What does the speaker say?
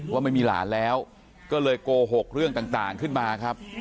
ว่าไม่มีหลานแล้วก็เลยโกหกเรื่องต่างขึ้นมาครับ